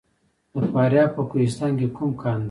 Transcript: د فاریاب په کوهستان کې کوم کان دی؟